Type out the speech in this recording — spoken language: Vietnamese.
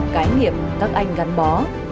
cái nghiệp các anh gắn bó